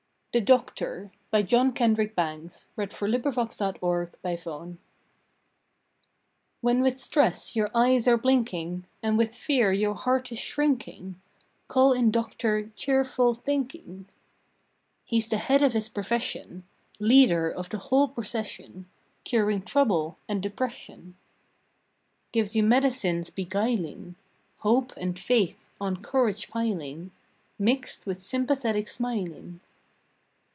be, It thrills my soul To breast the sea! September Second THE DOCTOR VVTHEN with stress your eyes are blinking And with fear your heart is shrinking, Call in Doctor CHEERFUL THINKING. He s the head of his profession, Leader of the whole procession, Curing trouble and depression. Gives you medicines beguiling Hope and Faith on Courage piling, Mixed with Sympathetic Smiling.